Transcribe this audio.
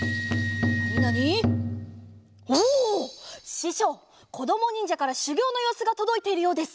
ししょうこどもにんじゃからしゅぎょうのようすがとどいているようです。